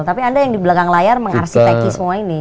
tapi anda yang di belakang layar mengarsiteki semua ini